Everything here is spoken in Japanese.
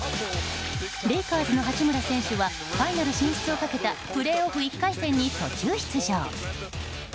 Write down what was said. レイカーズの八村選手はファイナル進出をかけたプレーオフ１回戦に途中出場。